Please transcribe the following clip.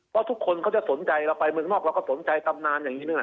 เพราะทุกคนเขาจะสนใจเราไปเมืองนอกเราก็สนใจตำนานอย่างนี้นั่นแหละ